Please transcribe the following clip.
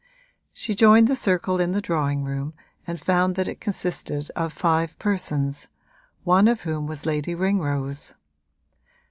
She joined the circle in the drawing room and found that it consisted of five persons, one of whom was Lady Ringrose.